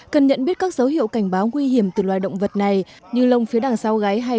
cần nhận biết các dấu hiệu cảnh báo nguy hiểm từ loài động vật này như lông phía đằng sau gáy hay